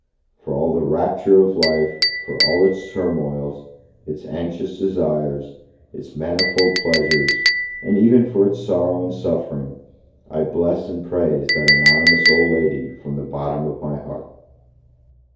For all the rapture of life, for all its turmoils, its anxious desires, its manifold pleasures, and even for its sorrow and suffering, I bless and praise that anonymous old lady from the bottom of my heart.